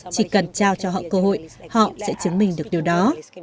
chỉ cần trao cho họ cơ hội họ sẽ chứng minh được điều đó